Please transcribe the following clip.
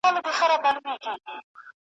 تر همدغه آسمان لاندي .